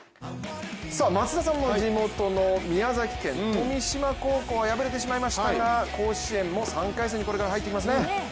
松田さんの地元の宮崎県富島高校は敗れてしまいましたが甲子園もこれから３回戦に入っていきます。